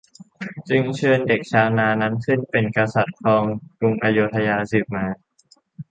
จึงเชิญเด็กชาวนานั้นขึ้นเป็นกษัตริย์ครองกรุงอโยธยาสืบมา